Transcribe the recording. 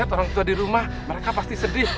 atas atau brother mereka pasti sedih